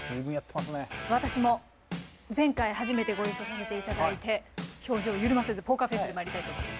私も前回初めてご一緒させていただいて表情緩ませずポーカーフェースでまいりたいと思います。